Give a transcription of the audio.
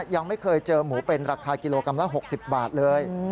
ยังไม่เคยเจอหมูเป็นราคากิโลกรัมละ๖๐บาทเลย